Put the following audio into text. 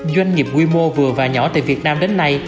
doanh nghiệp quy mô vừa và nhỏ tại việt nam đến nay